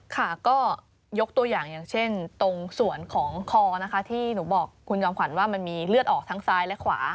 ค่ะก็ยกตัวอย่างอย่างเช่นตรงส่วนของคอนะคะที่หนูบอกคุณจอมขวัญว่ามันมีเลือดออกทั้งซ้ายและขวา